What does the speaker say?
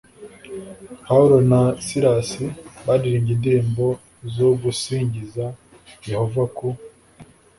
pawulo na silasi baririmbye indirimbo zo gusingiza yehova ku